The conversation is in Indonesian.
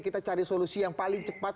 kita cari solusi yang paling cepat